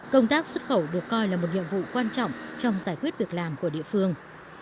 công tác xuất khẩu được coi là một nhiệm vụ quan trọng trong giải quyết việc làm của địa phương